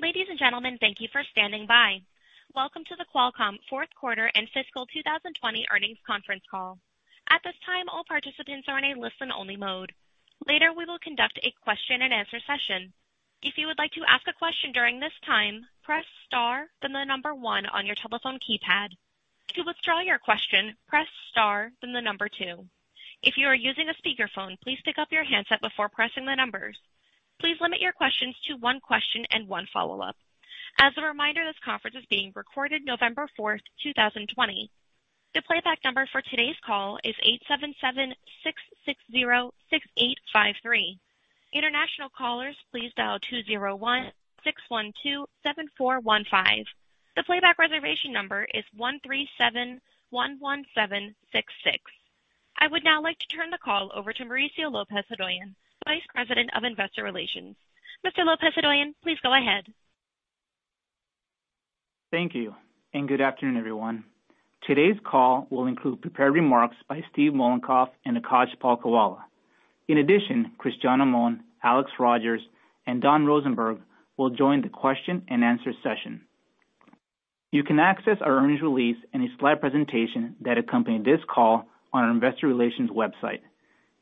Ladies and gentlemen, thank you for standing by. Welcome to the Qualcomm Fourth Quarter and Fiscal 2020 Earnings Conference Call. At this time, all participants are in a listen-only mode. Later, we will conduct a question-and-answer session. If you would like to ask a question during this time, press star, then the number one on your telephone keypad. To withdraw your question, press star, then the number two. If you are using a speakerphone, please pick up your handset before pressing the numbers. Please limit your questions to one question and one follow-up. As a reminder, this conference is being recorded November 4th, 2020. The playback number for today's call is 877-660-6853. International callers please dial 201-612-7415. The playback reservation number is 137-11766. I would now like to turn the call over to Mauricio Lopez-Hodoyan, Vice President of Investor Relations. Mr. Lopez-Hodoyan, please go ahead. Thank you, and good afternoon, everyone. Today's call will include prepared remarks by Steve Mollenkopf and Akash Palkhiwala. In addition, Cristiano Amon, Alex Rogers, and Don Rosenberg will join the question-and-answer session. You can access our earnings release and a slide presentation that accompany this call on our investor relations website.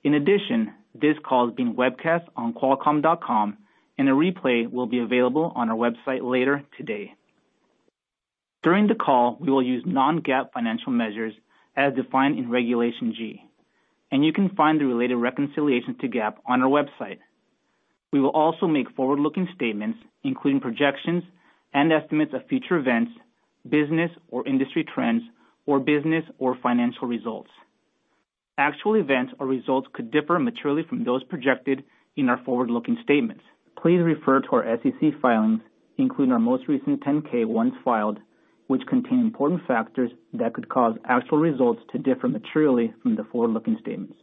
In addition, this call is being webcast on qualcomm.com, and a replay will be available on our website later today. During the call, we will use non-GAAP financial measures as defined in Regulation G, and you can find the related reconciliation to GAAP on our website. We will also make forward-looking statements, including projections and estimates of future events, business or industry trends, or business or financial results. Actual events or results could differ materially from those projected in our forward-looking statements. Please refer to our SEC filings, including our most recent 10-K, once filed, which contain important factors that could cause actual results to differ materially from the forward-looking statements.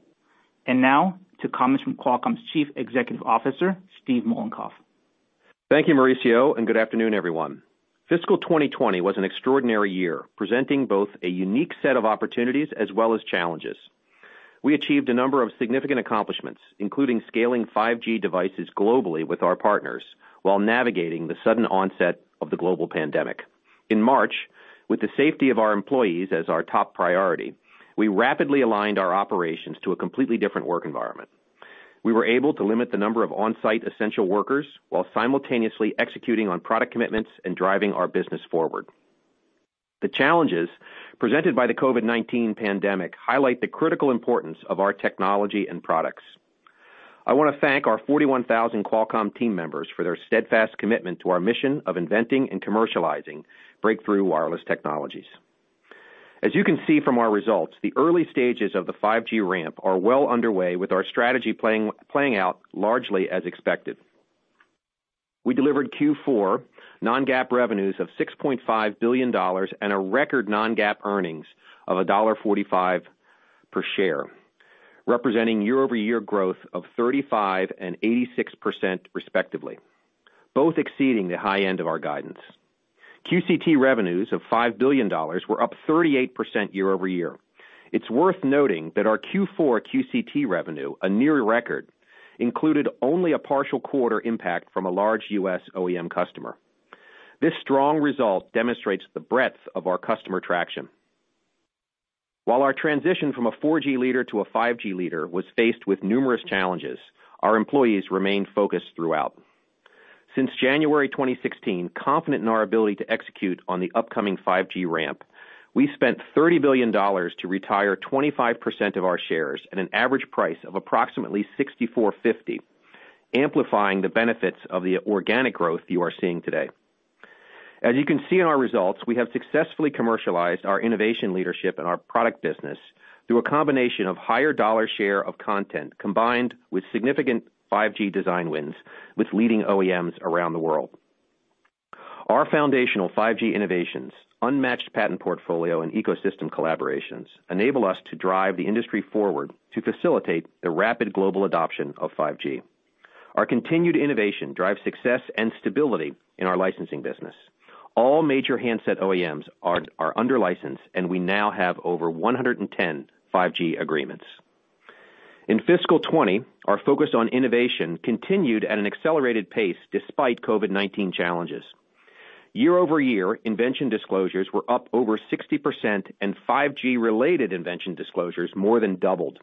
Now to comments from Qualcomm's Chief Executive Officer, Steve Mollenkopf. Thank you, Mauricio, and good afternoon, everyone. Fiscal 2020 was an extraordinary year, presenting both a unique set of opportunities as well as challenges. We achieved a number of significant accomplishments, including scaling 5G devices globally with our partners while navigating the sudden onset of the global pandemic. In March, with the safety of our employees as our top priority, we rapidly aligned our operations to a completely different work environment. We were able to limit the number of on-site essential workers while simultaneously executing on product commitments and driving our business forward. The challenges presented by the COVID-19 pandemic highlight the critical importance of our technology and products. I want to thank our 41,000 Qualcomm team members for their steadfast commitment to our mission of inventing and commercializing breakthrough wireless technologies. As you can see from our results, the early stages of the 5G ramp are well underway, with our strategy playing out largely as expected. We delivered Q4 non-GAAP revenues of $6.5 billion and a record non-GAAP earnings of $1.45 per share, representing year-over-year growth of 35% and 86% respectively, both exceeding the high end of our guidance. QCT revenues of $5 billion were up 38% year-over-year. It's worth noting that our Q4 QCT revenue, a near record, included only a partial quarter impact from a large U.S. OEM customer. While our transition from a 4G leader to a 5G leader was faced with numerous challenges, our employees remained focused throughout. Since January 2016, confident in our ability to execute on the upcoming 5G ramp, we spent $30 billion to retire 25% of our shares at an average price of approximately $64.50, amplifying the benefits of the organic growth you are seeing today. As you can see in our results, we have successfully commercialized our innovation leadership and our product business through a combination of higher dollar share of content, combined with significant 5G design wins with leading OEMs around the world. Our foundational 5G innovations, unmatched patent portfolio, and ecosystem collaborations enable us to drive the industry forward to facilitate the rapid global adoption of 5G. Our continued innovation drives success and stability in our licensing business. All major handset OEMs are under license, and we now have over 110 5G agreements. In fiscal 2020, our focus on innovation continued at an accelerated pace despite COVID-19 challenges. Year-over-year, invention disclosures were up over 60%, and 5G-related invention disclosures more than doubled.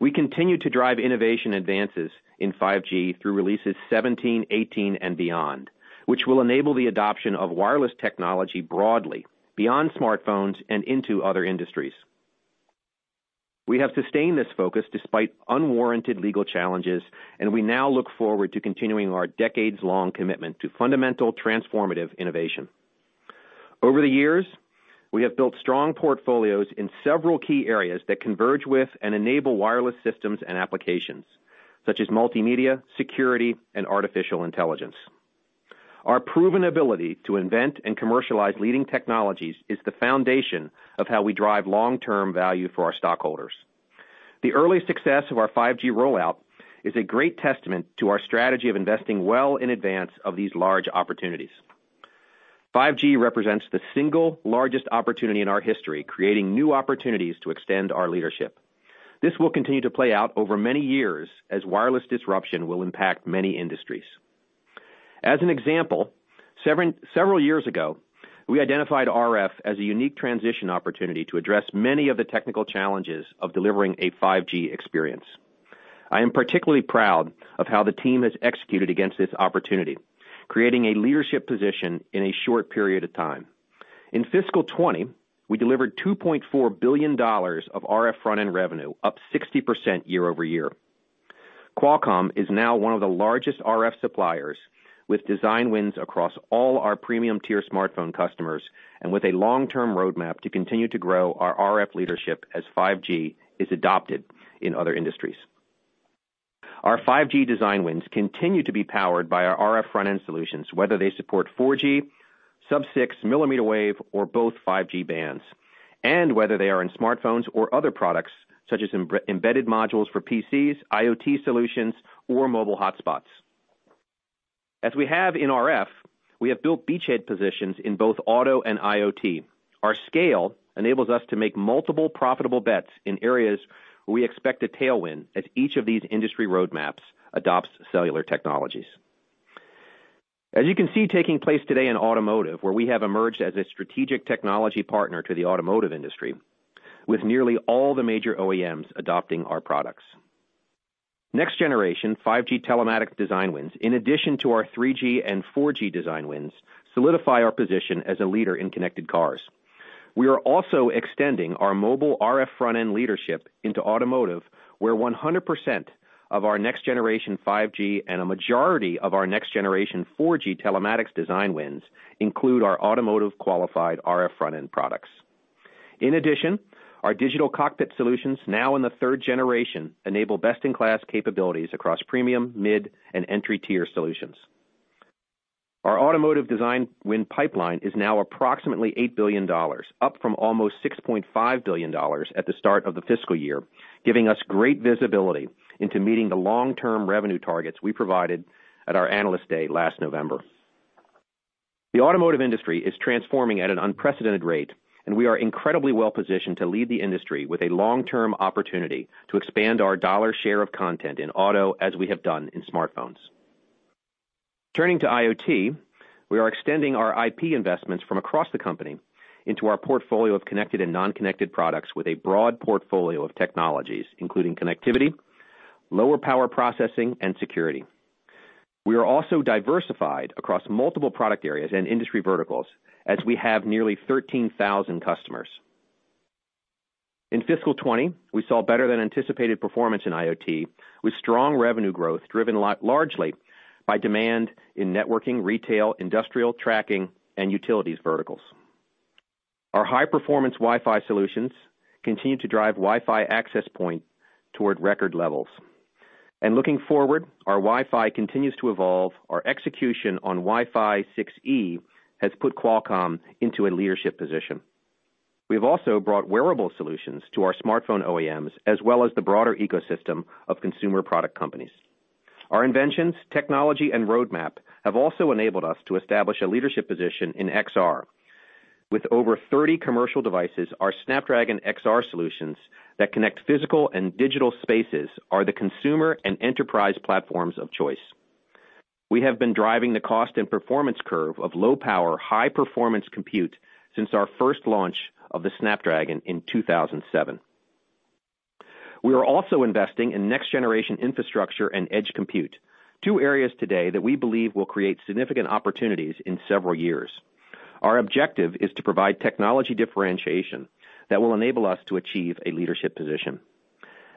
We continue to drive innovation advances in 5G through releases 17, 18, and beyond, which will enable the adoption of wireless technology broadly, beyond smartphones and into other industries. We have sustained this focus despite unwarranted legal challenges, and we now look forward to continuing our decades-long commitment to fundamental transformative innovation. Over the years, we have built strong portfolios in several key areas that converge with and enable wireless systems and applications, such as multimedia, security, and artificial intelligence. Our proven ability to invent and commercialize leading technologies is the foundation of how we drive long-term value for our stockholders. The early success of our 5G rollout is a great testament to our strategy of investing well in advance of these large opportunities. 5G represents the single largest opportunity in our history, creating new opportunities to extend our leadership. This will continue to play out over many years as wireless disruption will impact many industries. As an example, several years ago, we identified RF as a unique transition opportunity to address many of the technical challenges of delivering a 5G experience. I am particularly proud of how the team has executed against this opportunity, creating a leadership position in a short period of time. In fiscal 2020, we delivered $2.4 billion of RF front-end revenue, up 60% year-over-year. Qualcomm is now one of the largest RF suppliers, with design wins across all our premium-tier smartphone customers and with a long-term roadmap to continue to grow our RF leadership as 5G is adopted in other industries. Our 5G design wins continue to be powered by our RF front-end solutions, whether they support 4G, sub-6, millimeter wave, or both 5G bands, and whether they are in smartphones or other products such as embedded modules for PCs, IoT solutions, or mobile hotspots. As we have in RF, we have built beachhead positions in both auto and IoT. Our scale enables us to make multiple profitable bets in areas we expect to tailwind as each of these industry roadmaps adopts cellular technologies. As you can see taking place today in automotive, where we have emerged as a strategic technology partner to the automotive industry, with nearly all the major OEMs adopting our products. Next-generation 5G telematics design wins, in addition to our 3G and 4G design wins, solidify our position as a leader in connected cars. We are also extending our mobile RF front-end leadership into automotive, where 100% of our next-generation 5G and a majority of our next-generation 4G telematics design wins include our automotive-qualified RF front-end products. In addition, our digital cockpit solutions, now in the third generation, enable best-in-class capabilities across premium, mid, and entry-tier solutions. Our automotive design win pipeline is now approximately $8 billion, up from almost $6.5 billion at the start of the fiscal year, giving us great visibility into meeting the long-term revenue targets we provided at our Analyst Day last November. The automotive industry is transforming at an unprecedented rate, and we are incredibly well-positioned to lead the industry with a long-term opportunity to expand our dollar share of content in auto as we have done in smartphones. Turning to IoT, we are extending our IP investments from across the company into our portfolio of connected and non-connected products with a broad portfolio of technologies, including connectivity, lower power processing, and security. We are also diversified across multiple product areas and industry verticals, as we have nearly 13,000 customers. In fiscal 2020, we saw better-than-anticipated performance in IoT, with strong revenue growth driven largely by demand in networking, retail, industrial, tracking, and utilities verticals. Our high-performance Wi-Fi solutions continue to drive Wi-Fi access point toward record levels. Looking forward, our Wi-Fi continues to evolve. Our execution on Wi-Fi 6E has put Qualcomm into a leadership position. We have also brought wearable solutions to our smartphone OEMs, as well as the broader ecosystem of consumer product companies. Our inventions, technology, and roadmap have also enabled us to establish a leadership position in XR. With over 30 commercial devices, our Snapdragon XR solutions that connect physical and digital spaces are the consumer and enterprise platforms of choice. We have been driving the cost and performance curve of low-power, high-performance compute since our first launch of the Snapdragon in 2007. We are also investing in next-generation infrastructure and edge compute, two areas today that we believe will create significant opportunities in several years. Our objective is to provide technology differentiation that will enable us to achieve a leadership position.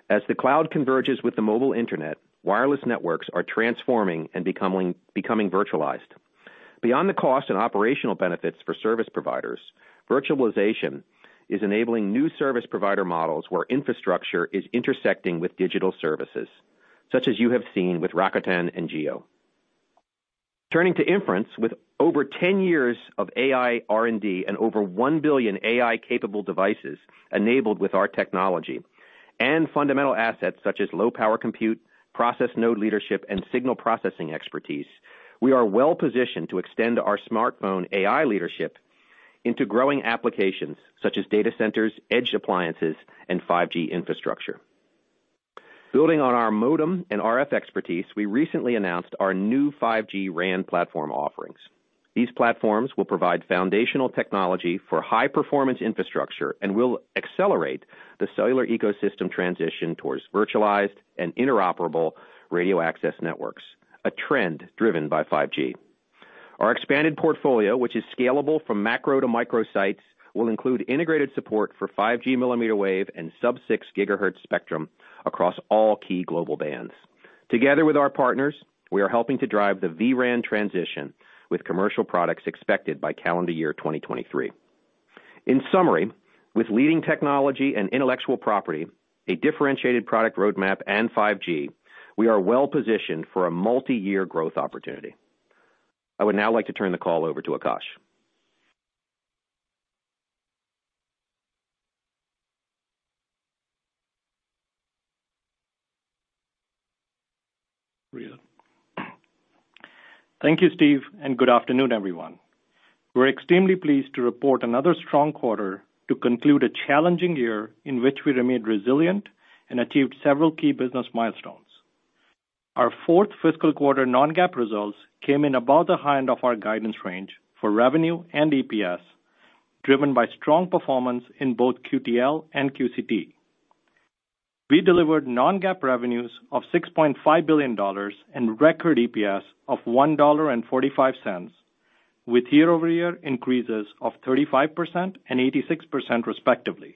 As the cloud converges with the mobile internet, wireless networks are transforming and becoming virtualized. Beyond the cost and operational benefits for service providers, virtualization is enabling new service provider models where infrastructure is intersecting with digital services, such as you have seen with Rakuten and Jio. Turning to inference, with over 10 years of AI R&D and over 1 billion AI-capable devices enabled with our technology and fundamental assets such as low-power compute, process node leadership, and signal processing expertise, we are well positioned to extend our smartphone AI leadership into growing applications such as data centers, edge appliances, and 5G infrastructure. Building on our modem and RF expertise, we recently announced our new 5G RAN platform offerings. These platforms will provide foundational technology for high-performance infrastructure and will accelerate the cellular ecosystem transition towards virtualized and interoperable radio access networks, a trend driven by 5G. Our expanded portfolio, which is scalable from macro to micro sites, will include integrated support for 5G millimeter wave and sub-6 GHz spectrum across all key global bands. Together with our partners, we are helping to drive the vRAN transition with commercial products expected by calendar year 2023. In summary, with leading technology and intellectual property, a differentiated product roadmap, and 5G, we are well positioned for a multi-year growth opportunity. I would now like to turn the call over to Akash. Thank you, Steve, and good afternoon, everyone. We're extremely pleased to report another strong quarter to conclude a challenging year in which we remained resilient and achieved several key business milestones. Our fourth fiscal quarter non-GAAP results came in above the high end of our guidance range for revenue and EPS, driven by strong performance in both QTL and QCT. We delivered non-GAAP revenues of $6.5 billion and record EPS of $1.45 with year-over-year increases of 35% and 86% respectively.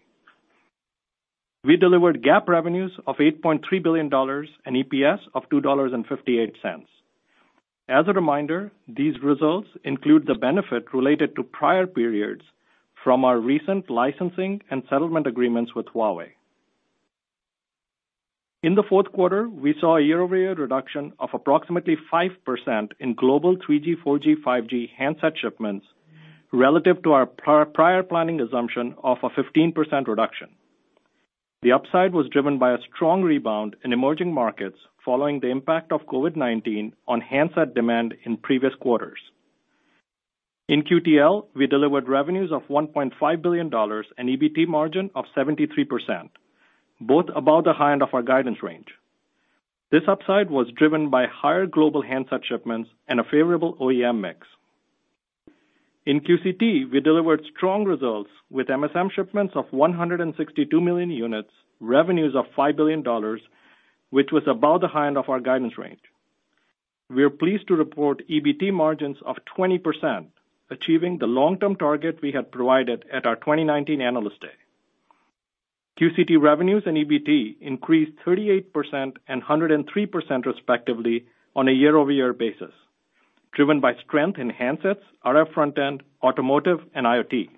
We delivered GAAP revenues of $8.3 billion and EPS of $2.58. As a reminder, these results include the benefit related to prior periods from our recent licensing and settlement agreements with Huawei. In the fourth quarter, we saw a year-over-year reduction of approximately 5% in global 3G, 4G, 5G handset shipments relative to our prior planning assumption of a 15% reduction. The upside was driven by a strong rebound in emerging markets following the impact of COVID-19 on handset demand in previous quarters. In QTL, we delivered revenues of $1.5 billion, an EBT margin of 73%, both above the high end of our guidance range. This upside was driven by higher global handset shipments and a favorable OEM mix. In QCT, we delivered strong results with MSM shipments of 162 million units, revenues of $5 billion, which was above the high end of our guidance range. We are pleased to report EBT margins of 20%, achieving the long-term target we had provided at our 2019 Analyst Day. QCT revenues and EBT increased 38% and 103% respectively on a year-over-year basis, driven by strength in handsets, RF front-end, automotive, and IoT.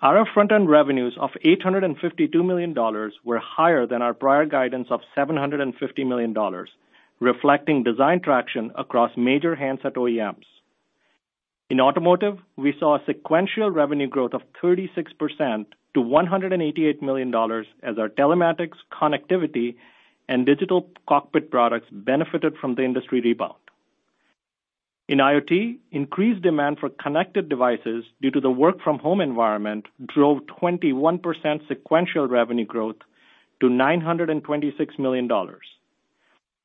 RF front-end revenues of $852 million were higher than our prior guidance of $750 million, reflecting design traction across major handset OEMs. In automotive, we saw a sequential revenue growth of 36% to $188 million as our telematics, connectivity, and digital cockpit products benefited from the industry rebound. In IoT, increased demand for connected devices due to the work-from-home environment drove 21% sequential revenue growth to $926 million.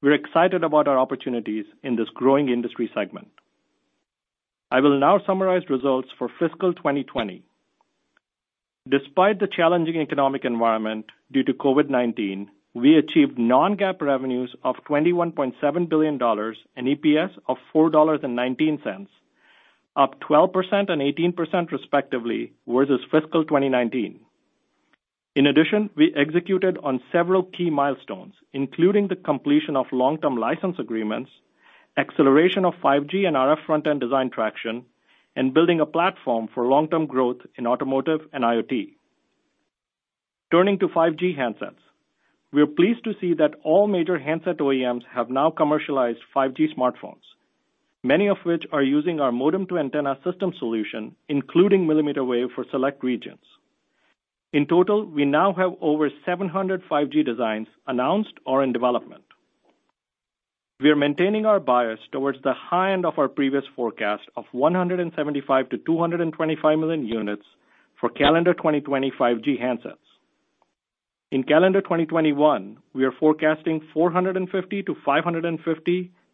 We're excited about our opportunities in this growing industry segment. I will now summarize results for fiscal 2020. Despite the challenging economic environment due to COVID-19, we achieved non-GAAP revenues of $21.7 billion and EPS of $4.19, up 12% and 18% respectively versus fiscal 2019. In addition, we executed on several key milestones, including the completion of long-term license agreements, acceleration of 5G and RF front-end design traction, and building a platform for long-term growth in automotive and IoT. Turning to 5G handsets. We are pleased to see that all major handset OEMs have now commercialized 5G smartphones, many of which are using our modem to antenna systems solution, including millimeter wave for select regions. In total, we now have over 700 5G designs announced or in development. We are maintaining our bias towards the high end of our previous forecast of 175 million-225 million units for calendar 2020 5G handsets. In calendar 2021, we are forecasting 450-550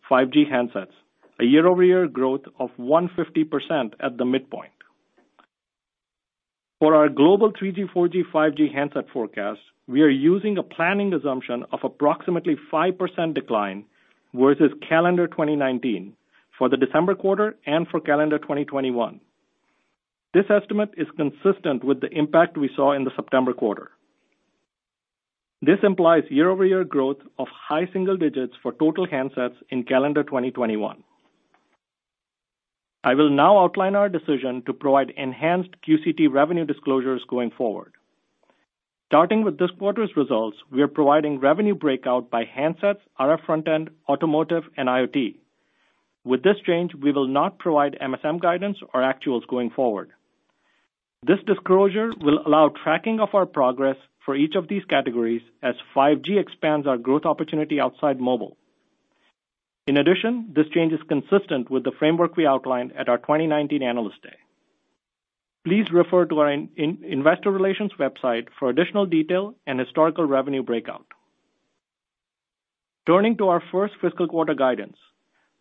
5G handsets, a year-over-year growth of 150% at the midpoint. For our global 3G, 4G, 5G handset forecast, we are using a planning assumption of approximately 5% decline versus calendar 2019 for the December quarter and for calendar 2021. This estimate is consistent with the impact we saw in the September quarter. This implies year-over-year growth of high single-digits for total handsets in calendar 2021. I will now outline our decision to provide enhanced QCT revenue disclosures going forward. Starting with this quarter's results, we are providing revenue breakout by handsets, RF front-end, automotive, and IoT. With this change, we will not provide MSM guidance or actuals going forward. This disclosure will allow tracking of our progress for each of these categories as 5G expands our growth opportunity outside mobile. In addition, this change is consistent with the framework we outlined at our 2019 Analyst Day. Please refer to our investor relations website for additional detail and historical revenue breakout. Turning to our first fiscal quarter guidance.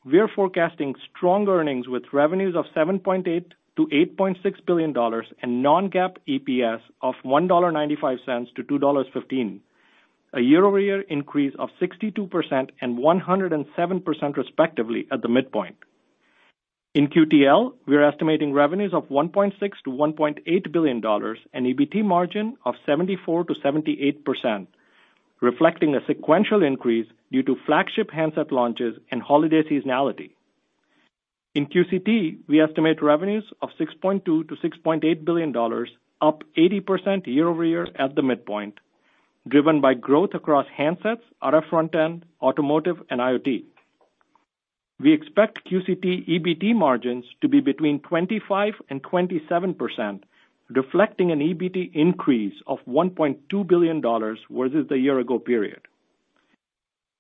We are forecasting strong earnings with revenues of $7.8 billion-$8.6 billion and non-GAAP EPS of $1.95-$2.15, a year-over-year increase of 62% and 107% respectively at the midpoint. In QTL, we are estimating revenues of $1.6 billion-$1.8 billion and EBT margin of 74%-78%, reflecting a sequential increase due to flagship handset launches and holiday seasonality. In QCT, we estimate revenues of $6.2 billion-$6.8 billion, up 80% year-over-year at the midpoint, driven by growth across handsets, RF front-end, automotive, and IoT. We expect QCT EBT margins to be between 25% and 27%, reflecting an EBT increase of $1.2 billion versus the year ago period.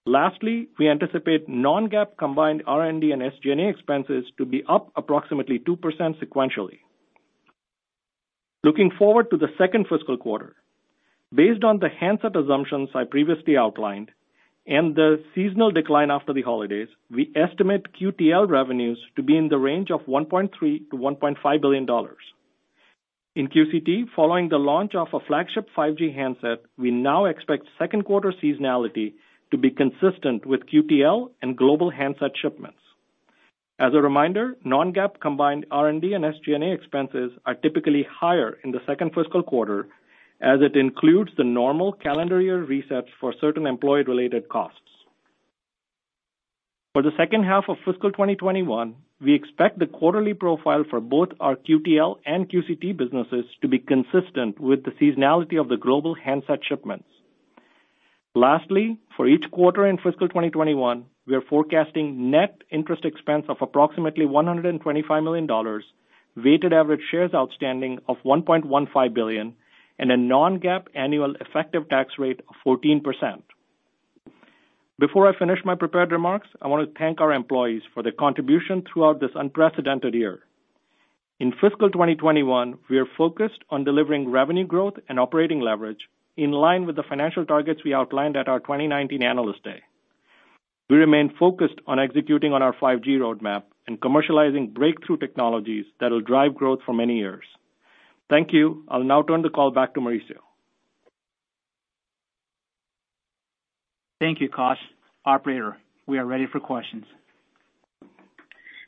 Lastly, we anticipate non-GAAP combined R&D and SG&A expenses to be up approximately 2% sequentially. Looking forward to the second fiscal quarter, based on the handset assumptions I previously outlined and the seasonal decline after the holidays, we estimate QTL revenues to be in the range of $1.3 billion-$1.5 billion. In QCT, following the launch of a flagship 5G handset, we now expect second quarter seasonality to be consistent with QTL and global handset shipments. As a reminder, non-GAAP combined R&D and SG&A expenses are typically higher in the second fiscal quarter as it includes the normal calendar year resets for certain employee-related costs. For the second half of fiscal 2021, we expect the quarterly profile for both our QTL and QCT businesses to be consistent with the seasonality of the global handset shipments. Lastly, for each quarter in fiscal 2021, we are forecasting net interest expense of approximately $125 million, weighted average shares outstanding of $1.15 billion, and a non-GAAP annual effective tax rate of 14%. Before I finish my prepared remarks, I want to thank our employees for their contribution throughout this unprecedented year. In fiscal 2021, we are focused on delivering revenue growth and operating leverage in line with the financial targets we outlined at our 2019 Analyst Day. We remain focused on executing on our 5G roadmap and commercializing breakthrough technologies that will drive growth for many years. Thank you. I'll now turn the call back to Mauricio. Thank you, Akash. Operator, we are ready for questions.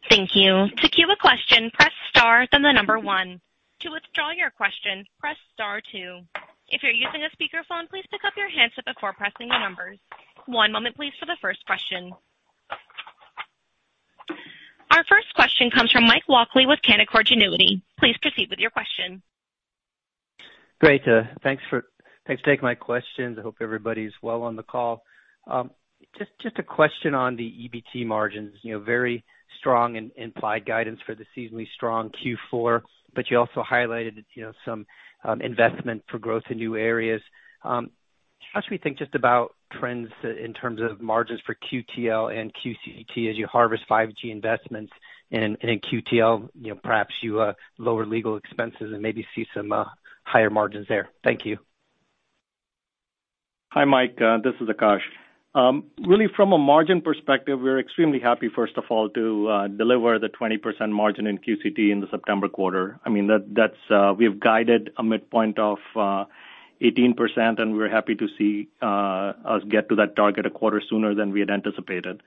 Thank you. To queue a question press star and the number one, to withdraw your question press star two. If you're using a speakerphone, please pick up your handset before pressing the numbers. One moment for the first question. Our first question comes from Mike Walkley with Canaccord Genuity. Please proceed with your question. Great. Thanks for taking my questions. I hope everybody's well on the call. Just a question on the EBT margins. Very strong implied guidance for the seasonally strong Q4, but you also highlighted some investment for growth in new areas. How should we think just about trends in terms of margins for QTL and QCT as you harvest 5G investments, and in QTL, perhaps you lower legal expenses and maybe see some higher margins there? Thank you. Hi, Mike. This is Akash. Really from a margin perspective, we're extremely happy, first of all, to deliver the 20% margin in QCT in the September quarter. We've guided a midpoint of 18%, and we're happy to see us get to that target a quarter sooner than we had anticipated.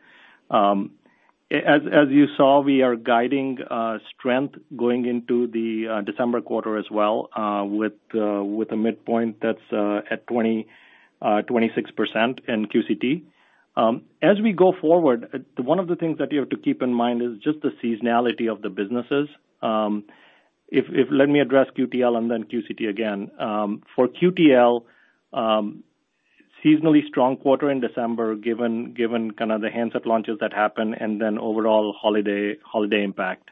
As you saw, we are guiding strength going into the December quarter as well with a midpoint that's at 26% in QCT. As we go forward, one of the things that you have to keep in mind is just the seasonality of the businesses. Let me address QTL and then QCT again. For QTL, seasonally strong quarter in December, given kind of the handset launches that happen, and then overall holiday impact.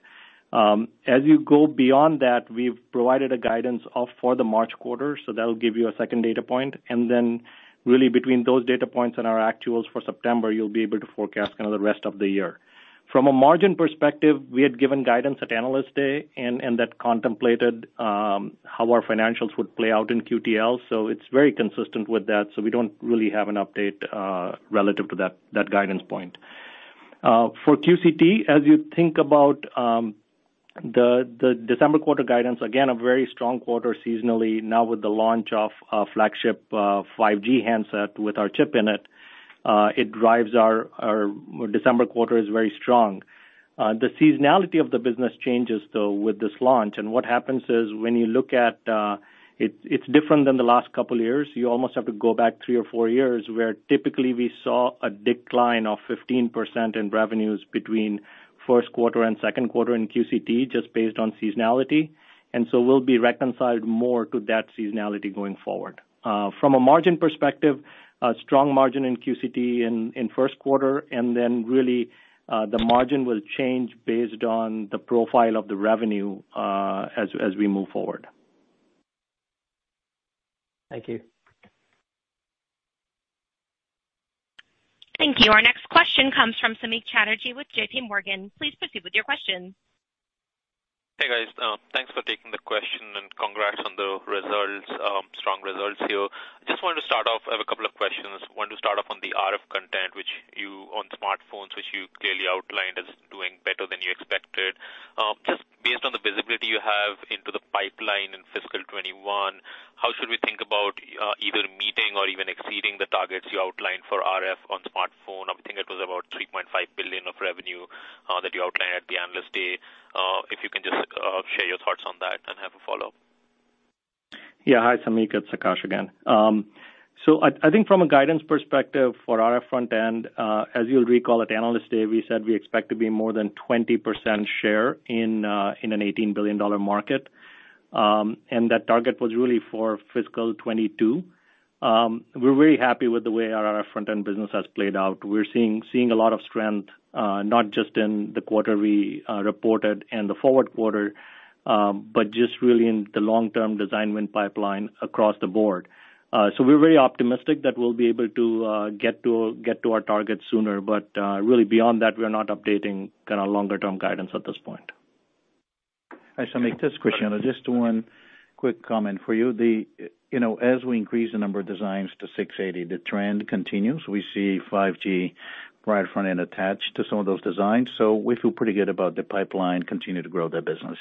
As you go beyond that, we've provided a guidance for the March quarter. That'll give you a second data point, and really between those data points and our actuals for September, you'll be able to forecast kind of the rest of the year. From a margin perspective, we had given guidance at Analyst Day. That contemplated how our financials would play out in QTL. It's very consistent with that. We don't really have an update relative to that guidance point. For QCT, as you think about the December quarter guidance, again, a very strong quarter seasonally. Now with the launch of a flagship 5G handset with our chip in it, our December quarter is very strong. The seasonality of the business changes, though, with this launch. What happens is when you look at, it's different than the last couple of years. You almost have to go back three or four years, where typically we saw a decline of 15% in revenues between first quarter and second quarter in QCT, just based on seasonality. We'll be reconciled more to that seasonality going forward. From a margin perspective, a strong margin in QCT in first quarter, really the margin will change based on the profile of the revenue as we move forward. Thank you. Thank you. Our next question comes from Samik Chatterjee with JPMorgan. Please proceed with your question. Hey, guys. Thanks for taking the question and congrats on the strong results here. I have a couple of questions. Wanted to start off on the RF content on smartphones, which you clearly outlined as doing better than you expected. Just based on the visibility you have into the pipeline in fiscal 2021, how should we think about either meeting or even exceeding the targets you outlined for RF on smartphone? I think it was about $3.5 billion of revenue that you outlined at the Analyst Day. If you can just share your thoughts on that, and have a follow-up. Yeah. Hi, Samik. It's Akash again. I think from a guidance perspective for RF front-end, as you'll recall at Analyst Day, we said we expect to be more than 20% share in an $18 billion market, and that target was really for fiscal 2022. We're very happy with the way our front-end business has played out. We're seeing a lot of strength, not just in the quarter we reported and the forward quarter, but just really in the long-term design win pipeline across the board. We're very optimistic that we'll be able to get to our target sooner. Really beyond that, we are not updating our longer-term guidance at this point. Hi, Samik, this is Cristiano. Just one quick comment for you. As we increase the number of designs to 680, the trend continues. We see 5G RF front-end attached to some of those designs. We feel pretty good about the pipeline continue to grow that business.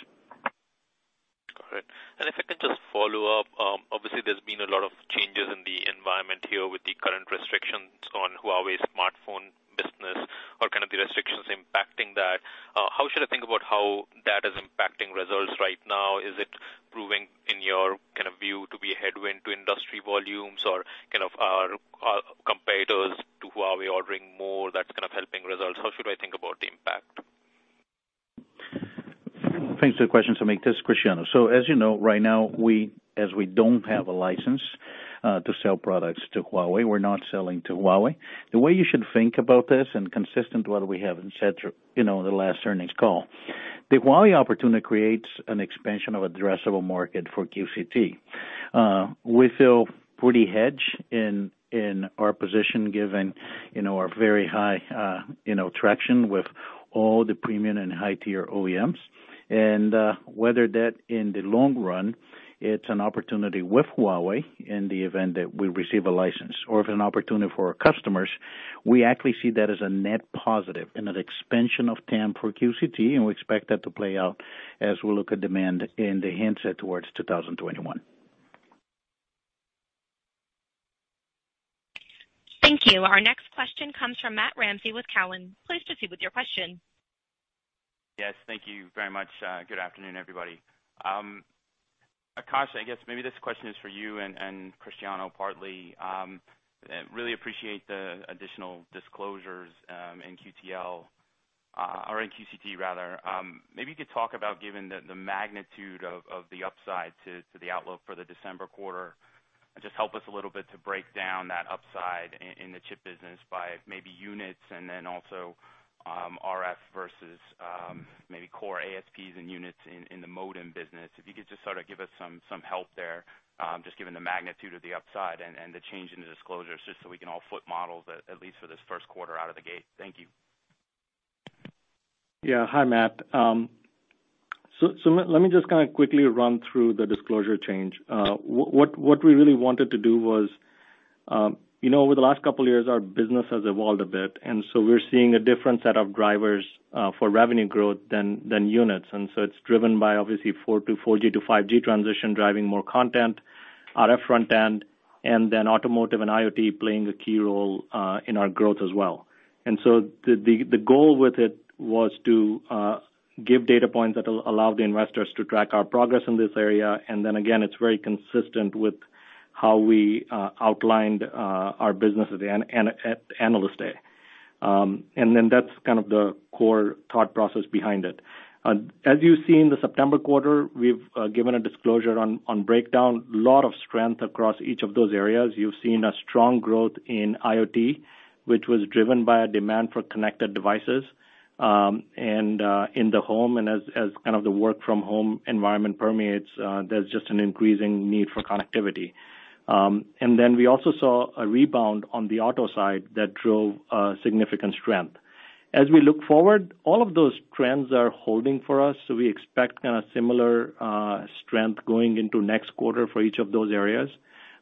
Got it. If I could just follow up, obviously there's been a lot of changes in the environment here with the current restrictions on Huawei's smartphone business or kind of the restrictions impacting that. How should I think about how that is impacting results right now? Is it proving in your view to be a headwind to industry volumes or kind of our competitors to Huawei ordering more that's kind of helping results? How should I think about the impact? Thanks for the question, Samik. This is Cristiano. As you know, right now, as we don't have a license to sell products to Huawei, we're not selling to Huawei. The way you should think about this and consistent to what we have said through the last earnings call, the Huawei opportunity creates an expansion of addressable market for QCT. We feel pretty hedged in our position given our very high traction with all the premium and high-tier OEMs. Whether that in the long run, it's an opportunity with Huawei in the event that we receive a license or if an opportunity for our customers, we actually see that as a net positive and an expansion of TAM for QCT, and we expect that to play out as we look at demand in the handset towards 2021. Thank you. Our next question comes from Matt Ramsay with Cowen. Please proceed with your question. Yes, thank you very much. Good afternoon, everybody. Akash, I guess maybe this question is for you and Cristiano partly. Really appreciate the additional disclosures in QTL, or in QCT rather. Maybe you could talk about given the magnitude of the upside to the outlook for the December quarter, and just help us a little bit to break down that upside in the chip business by maybe units and then also RF versus maybe core ASPs and units in the modem business. If you could just sort of give us some help there, just given the magnitude of the upside and the change in the disclosure, just so we can all foot models at least for this first quarter out of the gate. Thank you. Hi, Matt. Let me just kind of quickly run through the disclosure change. What we really wanted to do was, over the last couple of years, our business has evolved a bit, we're seeing a different set of drivers for revenue growth than units. It's driven by obviously 4G to 5G transition driving more content, RF front-end, automotive and IoT playing a key role in our growth as well. The goal with it was to give data points that allow the investors to track our progress in this area, again, it's very consistent with how we outlined our business at the Analyst Day. That's kind of the core thought process behind it. As you see in the September quarter, we've given a disclosure on breakdown, lot of strength across each of those areas. You've seen a strong growth in IoT, which was driven by a demand for connected devices, and in the home and as kind of the work from home environment permeates, there's just an increasing need for connectivity. We also saw a rebound on the auto side that drove significant strength. As we look forward, all of those trends are holding for us, we expect kind of similar strength going into next quarter for each of those areas.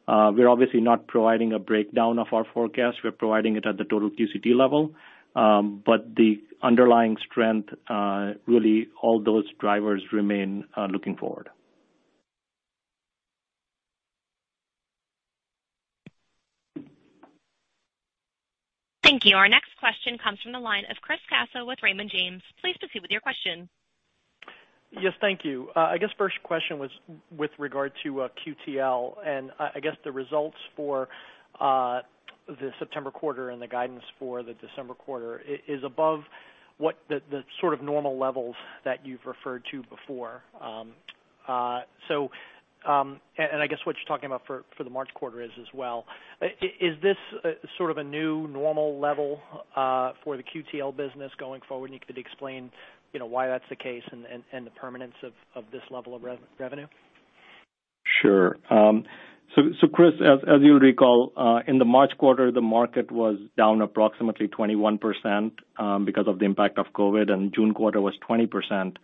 We're obviously not providing a breakdown of our forecast. We're providing it at the total QCT level. The underlying strength, really all those drivers remain looking forward. Thank you. Our next question comes from the line of Chris Caso with Raymond James. Please proceed with your question. Yes, thank you. I guess first question was with regard to QTL. I guess the results for the September quarter and the guidance for the December quarter is above what the sort of normal levels that you've referred to before. I guess what you're talking about for the March quarter is as well. Is this sort of a new normal level for the QTL business going forward? You could explain why that's the case and the permanence of this level of revenue? Sure. Chris, as you'll recall, in the March quarter, the market was down approximately 21% because of the impact of COVID-19, and June quarter was 20%.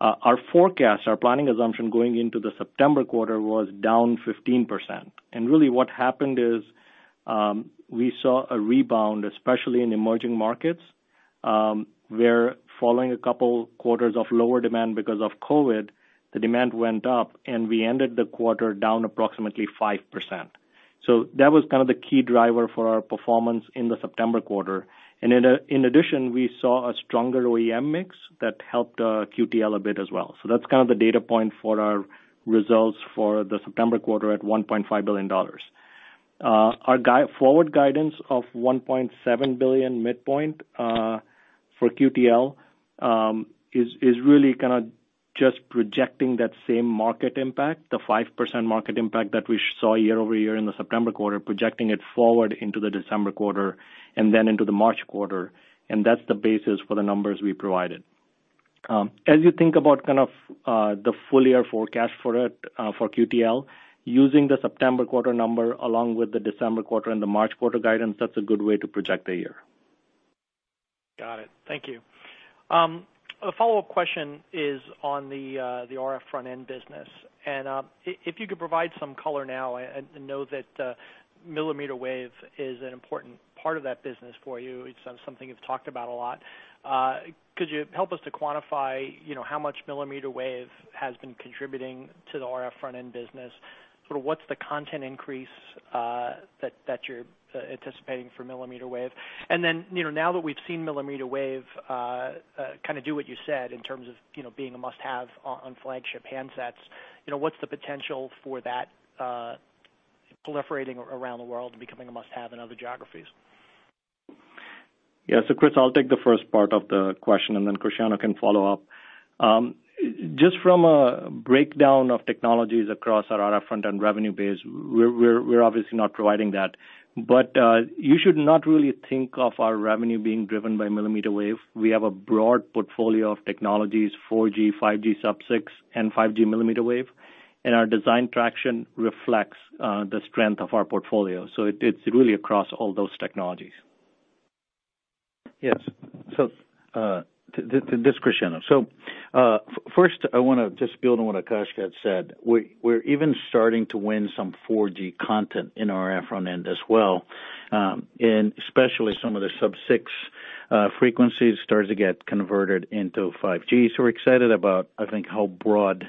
Our forecast, our planning assumption going into the September quarter was down 15%. Really what happened is we saw a rebound, especially in emerging markets, where following a couple quarters of lower demand because of COVID-19, the demand went up and we ended the quarter down approximately 5%. That was kind of the key driver for our performance in the September quarter. In addition, we saw a stronger OEM mix that helped QTL a bit as well. That's kind of the data point for our results for the September quarter at $1.5 billion. Our forward guidance of $1.7 billion midpoint for QTL, is really kind of just projecting that same market impact, the 5% market impact that we saw year-over-year in the September quarter, projecting it forward into the December quarter and then into the March quarter. That's the basis for the numbers we provided. As you think about the full year forecast for it, for QTL, using the September quarter number along with the December quarter and the March quarter guidance, that's a good way to project the year. Got it. Thank you. A follow-up question is on the RF front-end business, and if you could provide some color now, I know that millimeter wave is an important part of that business for you. It's something you've talked about a lot. Could you help us to quantify how much millimeter wave has been contributing to the RF front-end business? Sort of what's the content increase that you're anticipating for millimeter wave? Now that we've seen millimeter wave kind of do what you said in terms of being a must-have on flagship handsets, what's the potential for that proliferating around the world and becoming a must-have in other geographies? Yeah. Chris, I'll take the first part of the question, and then Cristiano can follow up. Just from a breakdown of technologies across our RF front-end revenue base, we're obviously not providing that. You should not really think of our revenue being driven by millimeter wave. We have a broad portfolio of technologies, 4G, 5G sub-6, and 5G millimeter wave. Our design traction reflects the strength of our portfolio. It's really across all those technologies. Yes. This is Cristiano. First I want to just build on what Akash had said. We're even starting to win some 4G content in our RF front-end as well, and especially some of the sub-6 frequencies starting to get converted into 5G. We're excited about, I think, how broad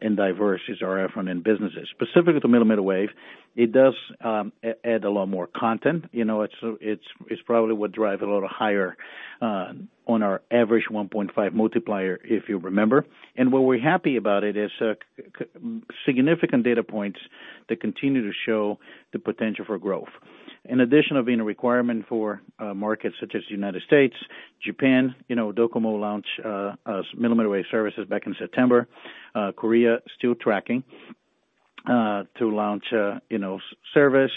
and diverse is our RF front-end businesses. Specifically to millimeter wave, it does add a lot more content. It's probably what drive a little higher on our average 1.5 multiplier, if you remember. What we're happy about it is significant data points that continue to show the potential for growth. In addition of being a requirement for markets such as the United States, Japan, DOCOMO launched millimeter wave services back in September. Korea still tracking to launch service.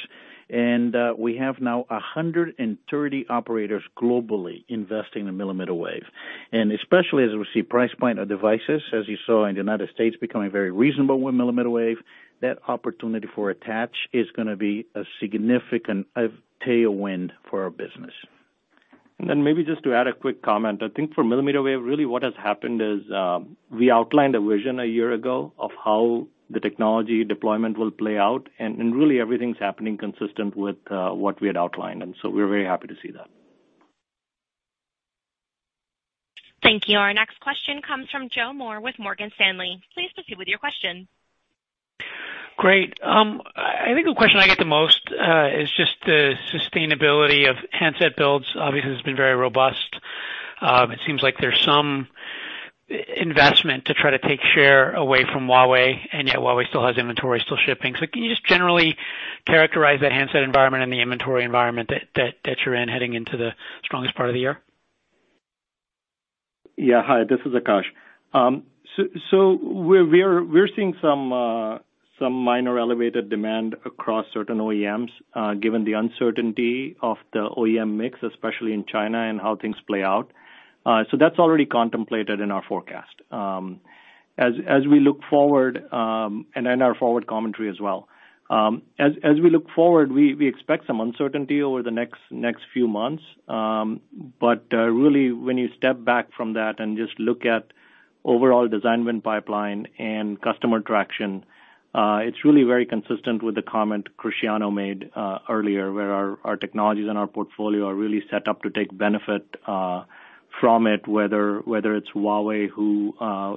We have now 130 operators globally investing in millimeter wave, and especially as we see price point of devices, as you saw in the U.S., becoming very reasonable with millimeter wave. That opportunity for attach is going to be a significant tailwind for our business. Maybe just to add a quick comment. I think for millimeter wave, really what has happened is, we outlined a vision a year ago of how the technology deployment will play out, really everything's happening consistent with what we had outlined, we're very happy to see that. Thank you. Our next question comes from Joe Moore with Morgan Stanley. Please proceed with your question. Great. I think the question I get the most is just the sustainability of handset builds. Obviously, it's been very robust. It seems like there's some investment to try to take share away from Huawei, and yet Huawei still has inventory still shipping. Can you just generally characterize that handset environment and the inventory environment that you're in heading into the strongest part of the year? Yeah. Hi, this is Akash. We're seeing some minor elevated demand across certain OEMs, given the uncertainty of the OEM mix, especially in China and how things play out. That's already contemplated in our forecast and in our forward commentary as well. As we look forward, we expect some uncertainty over the next few months. Really, when you step back from that and just look at overall design win pipeline and customer traction, it's really very consistent with the comment Cristiano made earlier, where our technologies and our portfolio are really set up to take benefit from it, whether it's Huawei,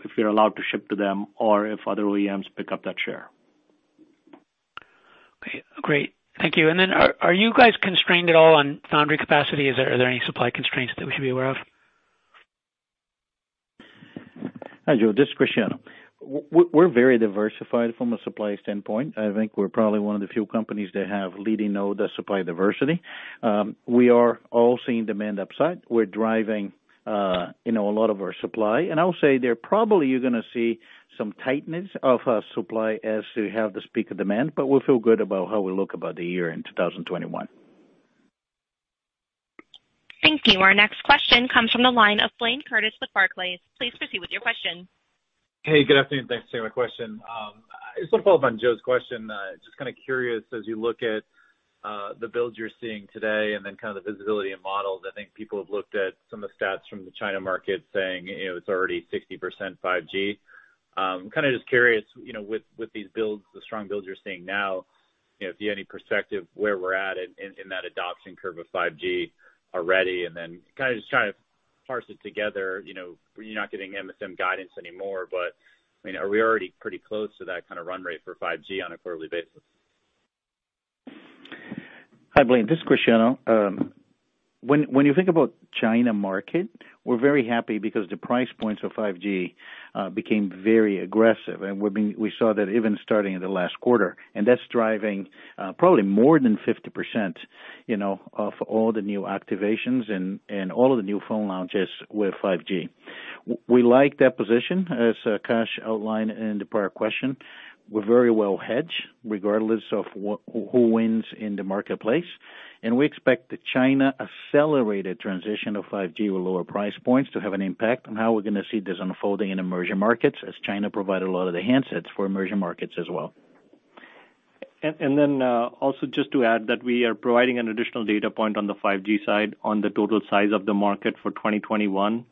if you're allowed to ship to them or if other OEMs pick up that share. Okay, great. Thank you. Are you guys constrained at all on foundry capacity? Are there any supply constraints that we should be aware of? Hi, Joe, this is Cristiano. We're very diversified from a supply standpoint. I think we're probably one of the few companies that have leading-node supply diversity. We are all seeing demand upside. We're driving a lot of our supply, I'll say there probably you're going to see some tightness of supply as we have this peak of demand, but we'll feel good about how we look about the year end 2021. Thank you. Our next question comes from the line of Blayne Curtis with Barclays. Please proceed with your question. Hey, good afternoon. Thanks for taking my question. I just want to follow up on Joe's question. Kind of curious, as you look at the builds you're seeing today and then kind of the visibility and models, I think people have looked at some of the stats from the China market saying it's already 60% 5G. I'm kind of just curious, with these builds, the strong builds you're seeing now, if you have any perspective where we're at in that adoption curve of 5G already, kind of just trying to parse it together. You're not getting MSM guidance anymore, are we already pretty close to that kind of run rate for 5G on a quarterly basis? Hi, Blayne. This is Cristiano. When you think about China market, we're very happy because the price points of 5G became very aggressive, and we saw that even starting in the last quarter. That's driving probably more than 50% of all the new activations and all of the new phone launches with 5G. We like that position, as Akash outlined in the prior question. We're very well hedged regardless of who wins in the marketplace, we expect that China accelerated transition of 5G with lower price points to have an impact on how we're going to see this unfolding in emerging markets as China provide a lot of the handsets for emerging markets as well. Also just to add that we are providing an additional data point on the 5G side on the total size of the market for 2021. We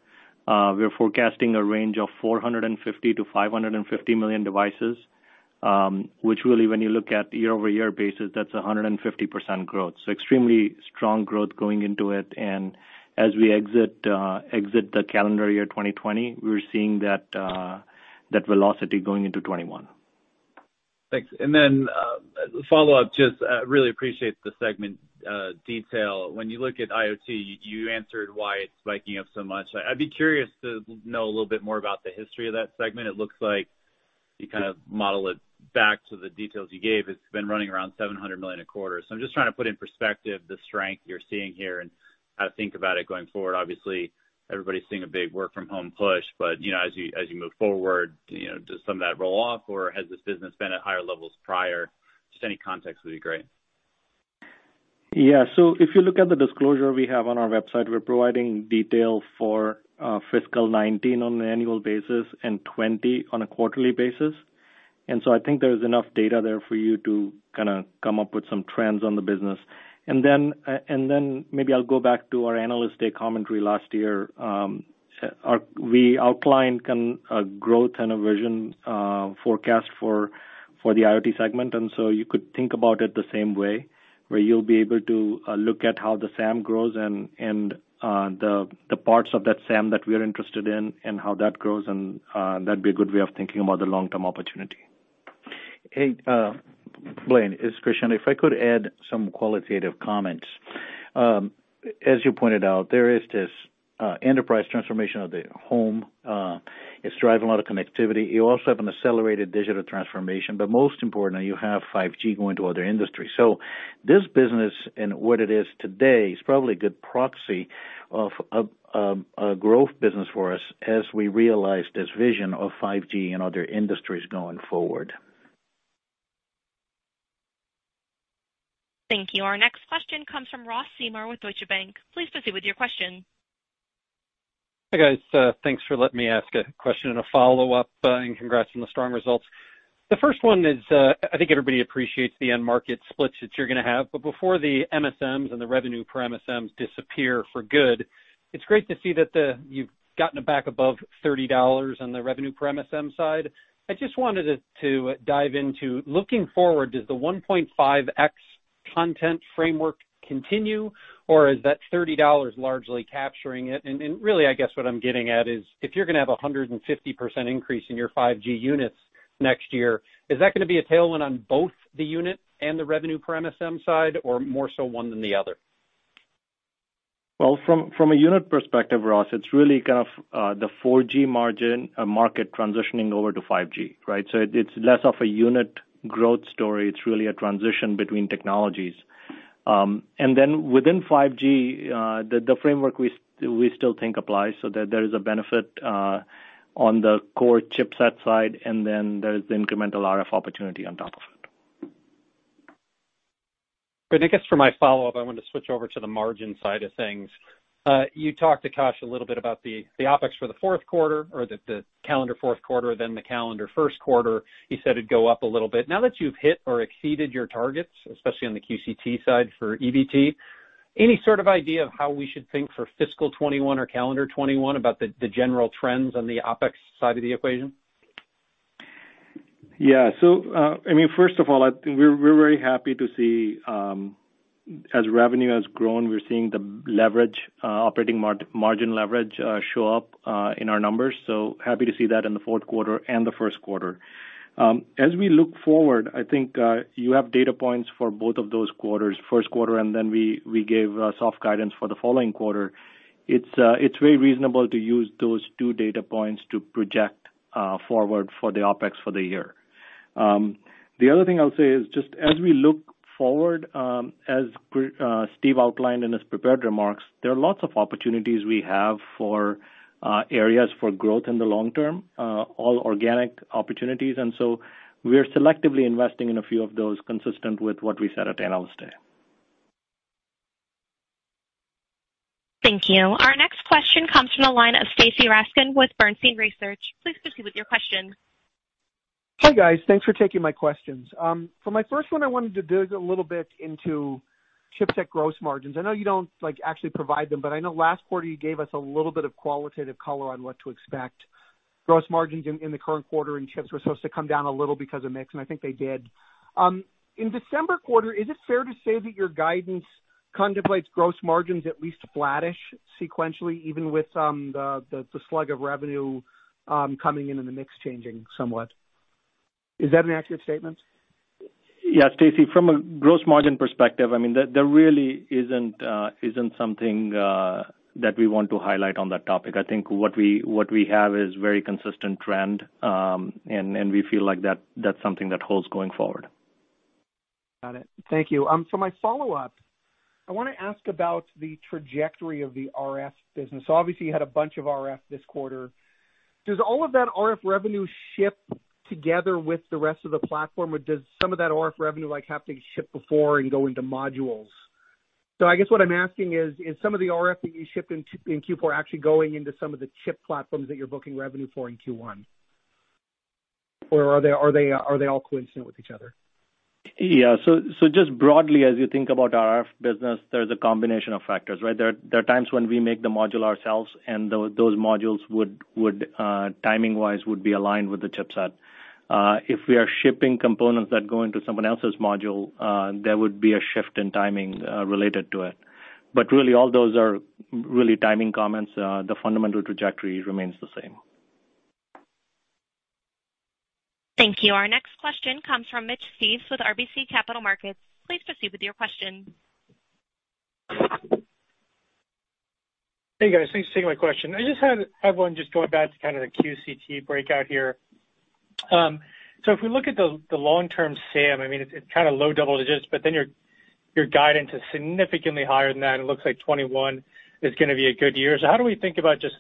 are forecasting a range of 450 million-550 million devices, which really, when you look at year-over-year basis, that's 150% growth. Extremely strong growth going into it. As we exit the calendar year 2020, we're seeing that velocity going into 2021. Thanks. Then, follow-up, just really appreciate the segment detail. When you look at IoT, you answered why it's spiking up so much. I'd be curious to know a little bit more about the history of that segment. It looks like you kind of model it back to the details you gave. It's been running around $700 million a quarter. I'm just trying to put in perspective the strength you're seeing here and how to think about it going forward. Obviously, everybody's seeing a big work from home push, but as you move forward, does some of that roll off or has this business been at higher levels prior? Just any context would be great. Yeah. If you look at the disclosure we have on our website, we're providing detail for fiscal 2019 on an annual basis and 2020 on a quarterly basis. I think there's enough data there for you to kind of come up with some trends on the business. Maybe I'll go back to our Analyst Day commentary last year. We outlined a growth and a vision forecast for the IoT segment, you could think about it the same way, where you'll be able to look at how the SAM grows and the parts of that SAM that we are interested in and how that grows and that'd be a good way of thinking about the long-term opportunity. Hey, Blayne, it's Cristiano. If I could add some qualitative comments. As you pointed out, there is this enterprise transformation of the home. It's driving a lot of connectivity. You also have an accelerated digital transformation, but most importantly, you have 5G going to other industries. This business and what it is today is probably a good proxy of a growth business for us as we realize this vision of 5G in other industries going forward. Thank you. Our next question comes from Ross Seymore with Deutsche Bank. Please proceed with your question. Hi, guys. Thanks for letting me ask a question and a follow-up, and congrats on the strong results. The first one is, I think everybody appreciates the end market splits that you're going to have. Before the MSMs and the revenue per MSMs disappear for good, it's great to see that you've gotten it back above $30 on the revenue per MSM side. I just wanted to dive into, looking forward, does the 1.5x content framework continue, or is that $30 largely capturing it? Really, I guess, what I'm getting at is if you're going to have a 150% increase in your 5G units next year, is that going to be a tailwind on both the unit and the revenue per MSM side, or more so one than the other? Well, from a unit perspective, Ross, it's really kind of the 4G market transitioning over to 5G, right? It's less of a unit growth story. It's really a transition between technologies. Within 5G, the framework we still think applies, so there is a benefit on the core chipset side, and then there's the incremental RF opportunity on top of it. Good. I guess for my follow-up, I wanted to switch over to the margin side of things. You talked to Akash a little bit about the OpEx for the fourth quarter or the calendar fourth quarter, then the calendar first quarter. He said it'd go up a little bit. Now that you've hit or exceeded your targets, especially on the QCT side for EBT, any sort of idea of how we should think for fiscal 2021 or calendar 2021 about the general trends on the OpEx side of the equation? First of all, I think we're very happy to see, as revenue has grown, we're seeing the leverage, operating margin leverage, show up in our numbers. Happy to see that in the fourth quarter and the first quarter. As we look forward, I think, you have data points for both of those quarters, first quarter, we gave soft guidance for the following quarter. It's very reasonable to use those two data points to project forward for the OpEx for the year. The other thing I'll say is just as we look forward, as Steve outlined in his prepared remarks, there are lots of opportunities we have for areas for growth in the long term, all organic opportunities. We are selectively investing in a few of those consistent with what we said at Analyst Day. Thank you. Our next question comes from the line of Stacy Rasgon with Bernstein Research. Please proceed with your question. Hi, guys. Thanks for taking my questions. For my first one, I wanted to dig a little bit into chipset gross margins. I know you don't actually provide them, but I know last quarter you gave us a little bit of qualitative color on what to expect. Gross margins in the current quarter in chips were supposed to come down a little because of mix, and I think they did. In December quarter, is it fair to say that your guidance contemplates gross margins at least flattish sequentially, even with the slug of revenue coming in and the mix changing somewhat? Is that an accurate statement? Stacy, from a gross margin perspective, there really isn't something that we want to highlight on that topic. I think what we have is very consistent trend, and we feel like that's something that holds going forward. Got it. Thank you. My follow-up, I want to ask about the trajectory of the RF business. Obviously, you had a bunch of RF this quarter. Does all of that RF revenue ship together with the rest of the platform? Does some of that RF revenue have to ship before and go into modules? I guess what I'm asking is some of the RF that you ship in Q4 actually going into some of the chip platforms that you're booking revenue for in Q1? Are they all coincident with each other? Yeah. Just broadly, as you think about our RF business, there's a combination of factors, right? There are times when we make the module ourselves, and those modules, timing-wise, would be aligned with the chipset. If we are shipping components that go into someone else's module, there would be a shift in timing related to it. Really, all those are really timing comments. The fundamental trajectory remains the same. Thank you. Our next question comes from Mitch Steves with RBC Capital Markets. Please proceed with your question. Hey, guys. Thanks for taking my question. I just had one going back to kind of the QCT breakout here. If we look at the long-term SAM, it's kind of low double digits, but then your guidance is significantly higher than that, and it looks like 2021 is going to be a good year. How do we think about just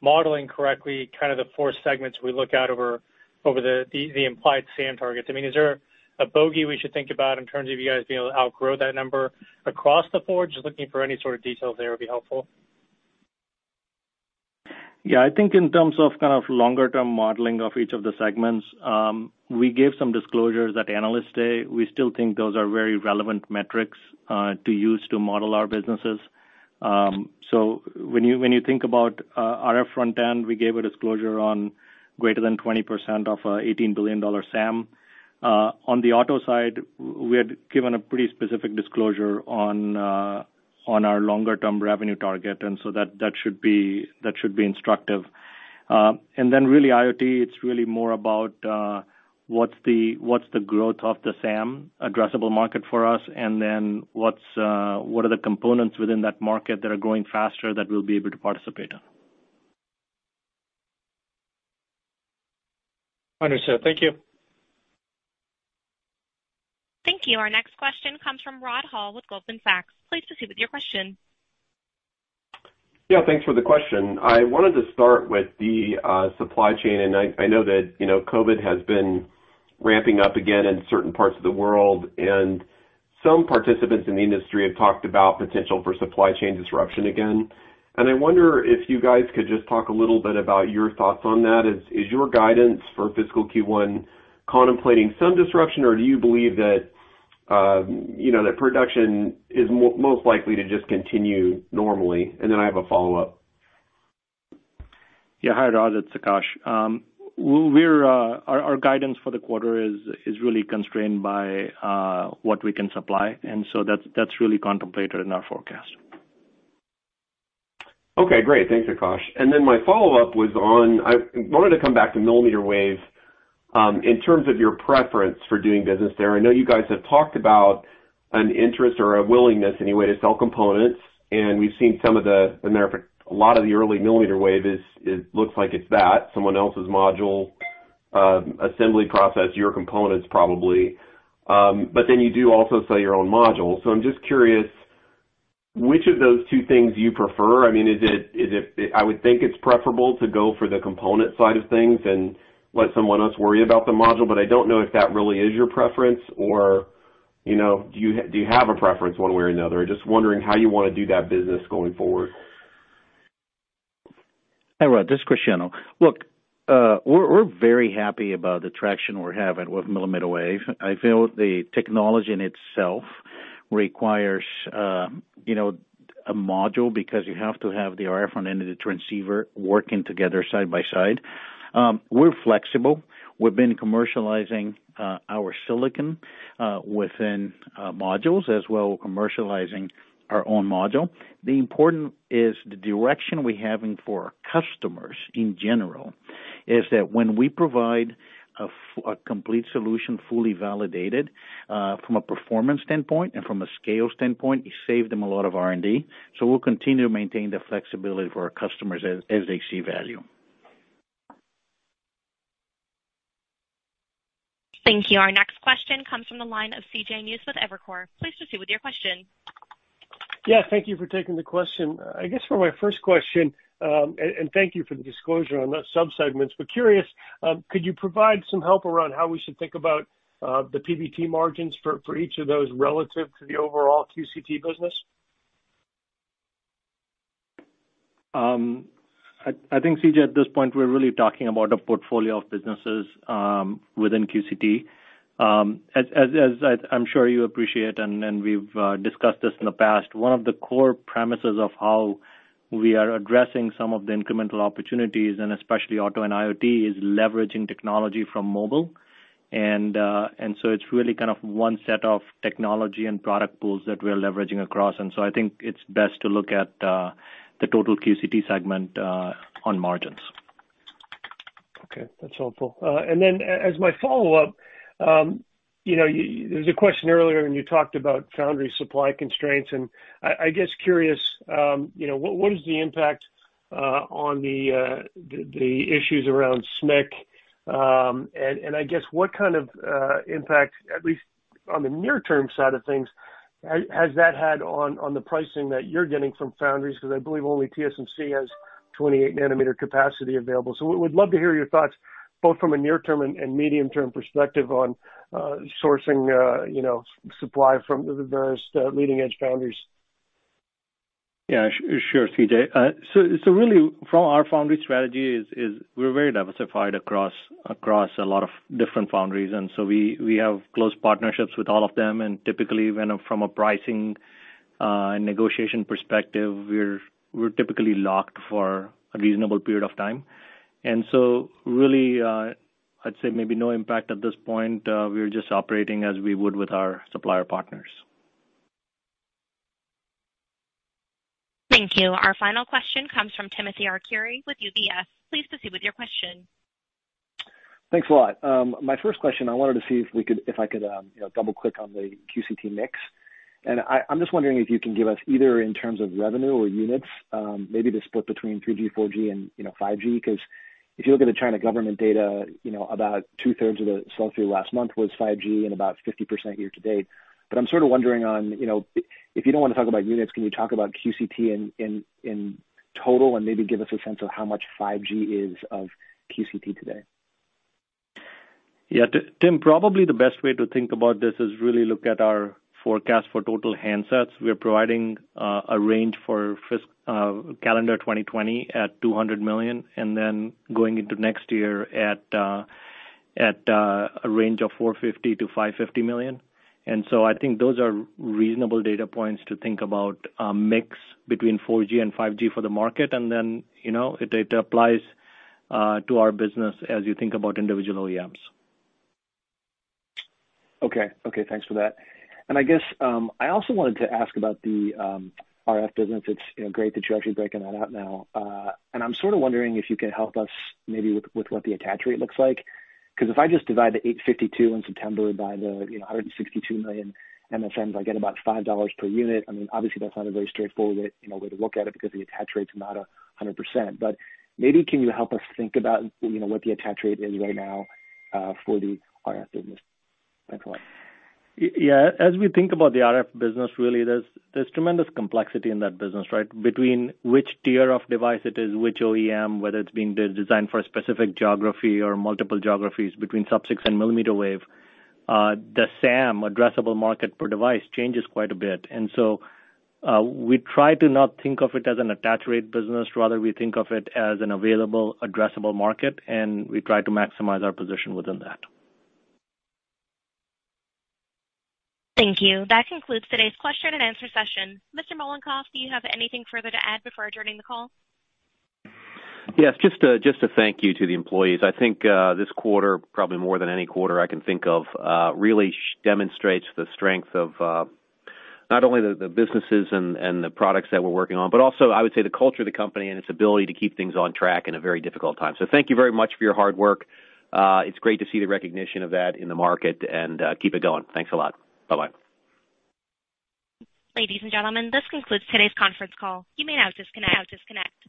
modeling correctly kind of the four segments we look at over the implied SAM targets? Is there a bogey we should think about in terms of you guys being able to outgrow that number across the board? Just looking for any sort of detail there would be helpful. I think in terms of kind of longer-term modeling of each of the segments, we gave some disclosures at Analyst Day. We still think those are very relevant metrics to use to model our businesses. When you think about RF front-end, we gave a disclosure on greater than 20% of a $18 billion SAM. On the auto side, we had given a pretty specific disclosure on our longer-term revenue target, that should be instructive. Really IoT, it's really more about what's the growth of the SAM addressable market for us, what are the components within that market that are growing faster that we'll be able to participate in. Understood. Thank you. Thank you. Our next question comes from Rod Hall with Goldman Sachs. Please proceed with your question. Thanks for the question. I wanted to start with the supply chain, and I know that COVID-19 has been ramping up again in certain parts of the world, and some participants in the industry have talked about potential for supply chain disruption again. I wonder if you guys could just talk a little bit about your thoughts on that. Is your guidance for fiscal Q1 contemplating some disruption, or do you believe that production is most likely to just continue normally? Then I have a follow-up. Yeah. Hi, Rod, it's Akash. Our guidance for the quarter is really constrained by what we can supply, and so that's really contemplated in our forecast. Okay, great. Thanks, Akash. My follow-up was on, I wanted to come back to millimeter wave. In terms of your preference for doing business there, I know you guys have talked about an interest or a willingness, anyway, to sell components, and we've seen a lot of the early millimeter wave looks like it's that, someone else's module assembly process, your components probably. You do also sell your own module. I'm just curious, which of those two things do you prefer? I would think it's preferable to go for the component side of things and let someone else worry about the module. I don't know if that really is your preference, or do you have a preference one way or another? Just wondering how you want to do that business going forward. Hi, Rod, this is Cristiano. Look, we're very happy about the traction we're having with millimeter wave. I feel the technology in itself requires a module because you have to have the RF front-end and the transceiver working together side by side. We're flexible. We've been commercializing our silicon within modules as well, commercializing our own module. The important is the direction we're having for our customers in general is that when we provide a complete solution, fully validated from a performance standpoint and from a scale standpoint, it saved them a lot of R&D. We'll continue to maintain the flexibility for our customers as they see value. Thank you. Our next question comes from the line of C.J. Muse with Evercore. Please proceed with your question. Yeah, thank you for taking the question. I guess for my first question, and thank you for the disclosure on the subsegments, but curious, could you provide some help around how we should think about the PBT margins for each of those relative to the overall QCT business? I think, C.J., at this point, we're really talking about a portfolio of businesses within QCT. As I'm sure you appreciate, and we've discussed this in the past, one of the core premises of how we are addressing some of the incremental opportunities, and especially Auto and IoT, is leveraging technology from mobile. It's really kind of one set of technology and product pools that we're leveraging across. I think it's best to look at the total QCT segment on margins. Okay, that's helpful. As my follow-up, there was a question earlier and you talked about foundry supply constraints. I guess curious, what is the impact on the issues around SMIC? I guess what kind of impact, at least on the near-term side of things, has that had on the pricing that you're getting from foundries? Because I believe only TSMC has 28 nm capacity available. We'd love to hear your thoughts both from a near-term and medium-term perspective on sourcing supply from the various leading-edge foundries. Yeah, sure, C.J. Really, from our foundry strategy is we're very diversified across a lot of different foundries, and so we have close partnerships with all of them, and typically from a pricing and negotiation perspective, we're typically locked for a reasonable period of time. Really, I'd say maybe no impact at this point. We're just operating as we would with our supplier partners. Thank you. Our final question comes from Timothy Arcuri with UBS. Please proceed with your question. Thanks a lot. My first question, I wanted to see if I could double-click on the QCT mix, and I'm just wondering if you can give us either in terms of revenue or units, maybe the split between 3G, 4G and 5G, because if you look at the China government data, about two-thirds of the cell phone last month was 5G and about 50% year-to-date. I'm sort of wondering on, if you don't want to talk about units, can you talk about QCT in total and maybe give us a sense of how much 5G is of QCT today? Tim, probably the best way to think about this is really look at our forecast for total handsets. We're providing a range for calendar 2020 at 200 million and then going into next year at a range of 450 million-550 million. I think those are reasonable data points to think about a mix between 4G and 5G for the market, and then it applies to our business as you think about individual OEMs. Okay. Thanks for that. I guess, I also wanted to ask about the RF business. It's great that you're actually breaking that out now. I'm sort of wondering if you could help us maybe with what the attach rate looks like, because if I just divide the 852 in September by the 162 million MSM, I get about $5 per unit. I mean, obviously that's not a very straightforward way to look at it because the attach rate's not 100%, but maybe can you help us think about what the attach rate is right now for the RF business? Thanks a lot. As we think about the RF business, really, there's tremendous complexity in that business, right? Between which tier of device it is, which OEM, whether it's being designed for a specific geography or multiple geographies between sub-6 and millimeter wave. The SAM addressable market per device changes quite a bit. We try to not think of it as an attach rate business. Rather, we think of it as an available addressable market, and we try to maximize our position within that. Thank you. That concludes today's question and answer session. Mr. Mollenkopf, do you have anything further to add before adjourning the call? Just a thank you to the employees. I think, this quarter, probably more than any quarter I can think of, really demonstrates the strength of not only the businesses and the products that we're working on, but also, I would say, the culture of the company and its ability to keep things on track in a very difficult time. Thank you very much for your hard work. It's great to see the recognition of that in the market, and keep it going. Thanks a lot. Bye-bye. Ladies and gentlemen, this concludes today's conference call. You may now disconnect.